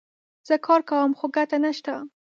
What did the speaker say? زه کار کوم ، خو ګټه نه سته